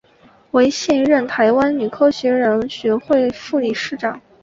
为现任台湾女科技人学会副理事长。